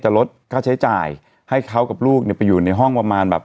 ลดค่าใช้จ่ายให้เขากับลูกเนี่ยไปอยู่ในห้องประมาณแบบ